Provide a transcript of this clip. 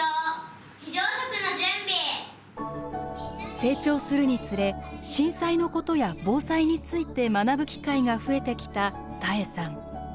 成長するにつれ震災のことや防災について学ぶ機会が増えてきた多恵さん。